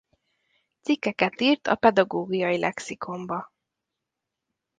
Cikkeket írt a Pedagógiai Lexikonba.